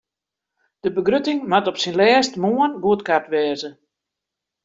De begrutting moat op syn lêst moarn goedkard wêze.